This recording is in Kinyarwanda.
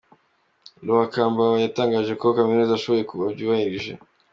Lwakabamba yatangaje ko kaminuza ayoboye babyubahirije.